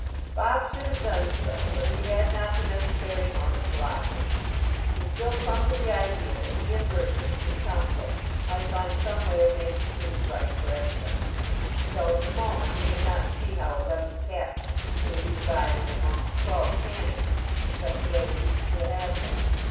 Bob should have done so, but he had not the necessary amount of philosophy. He still clung to the idea that he and Burgess, in council, might find some way of making things right for everybody. Though, at the moment, he did not see how eleven caps were to be divided amongst twelve candidates in such a way that each should have one.